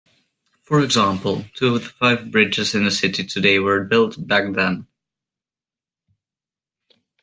For example, two of the five bridges in the city today were built back then.